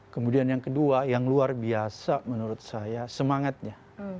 kemudian yang kedua yang luar biasa menurut saya semangatnya